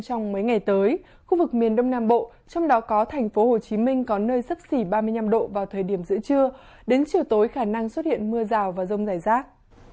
trong mấy ngày tới khu vực miền đông nam bộ trong đó có thành phố hồ chí minh có nơi sấp xỉ ba mươi năm độ vào thời điểm giữa trưa đến chiều tối khả năng xuất hiện mưa rào và rông rải rác